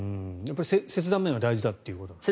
切断面は大事だということですね？